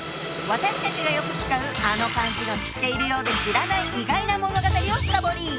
私たちがよく使うあの漢字の知ってるようで知らない意外な物語を深掘り！